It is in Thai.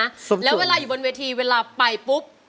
สมส่วนนะครับแล้วเวลาอยู่บนเวตรีเวลาไปปุ๊บ